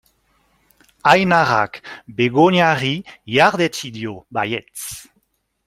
Ainarak Begoñari ihardetsi dio baietz.